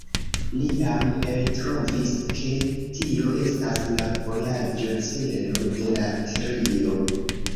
Ni jam eltrovis, ke tio estas la vojaĝocelo de la trio.